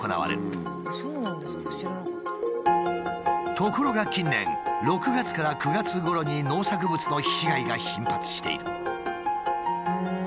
ところが近年６月から９月ごろに農作物の被害が頻発している。